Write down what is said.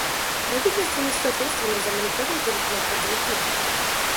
Правительства несут ответственность за мониторинг таких необходимых мер.